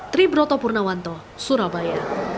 mereka sangat menyukai hubungan dari k phosphate